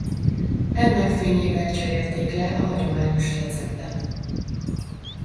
Ennek fényében cserélték le a hagyományos receptet.